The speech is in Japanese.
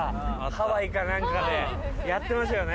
ハワイか何かでやってましたよね。